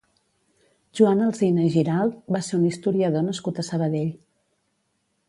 Joan Alsina i Giralt va ser un historiador nascut a Sabadell.